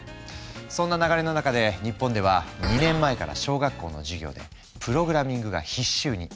そんな流れの中で日本では２年前から小学校の授業でプログラミングが必修に。